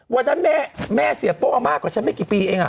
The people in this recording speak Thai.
วันนั้นแม่เสียโป้มากกว่าฉันไม่กี่ปีเอง